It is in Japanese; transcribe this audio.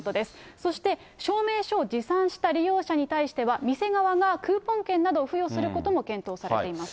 そして証明書を持参した利用者に対しては、店側がクーポン券などを付与することも検討されています。